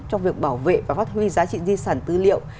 trong việc bảo vệ và phát huy giá trị di sản tư liệu